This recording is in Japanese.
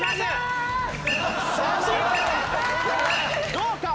どうか？